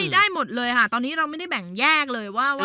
ได้หมดเลยค่ะตอนนี้เราไม่ได้แบ่งแยกเลยว่า